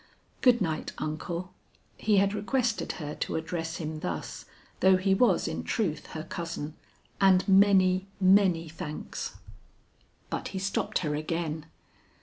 Good night, uncle," he had requested her to address him thus though he was in truth her cousin, "and many, many thanks." But he stopped her again.